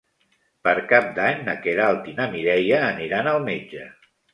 Per Cap d'Any na Queralt i na Mireia aniran al metge.